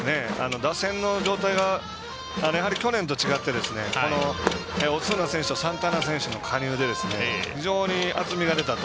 打線の状態がやはり去年と違ってオスナ選手とサンタナ選手の加入で厚みが出たと。